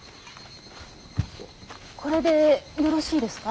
これでよろしいですか。